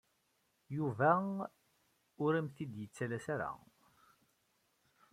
Yuba ur am-t-id-yettales ara.